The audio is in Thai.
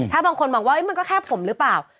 ถ้าบางคนมองว่ามันก็แค่ผมหรือเปล่า